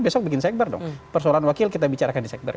besok bikin sekber dong persoalan wakil kita bicarakan di sekber